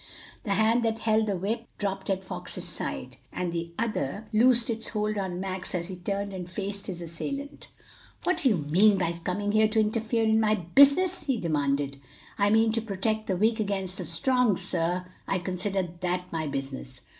The hand that held the whip dropped at Fox's side, and the other loosed its hold on Max as he turned and faced his assailant. "What do you mean by coming here to interfere in my business?" he demanded. "I mean to protect the weak against the strong, sir. I consider that my business.